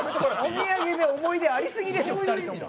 お土産で思い出ありすぎでしょ。